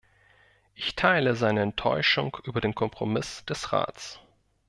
Ich teile seine Enttäuschung über den Kompromiss des Rats.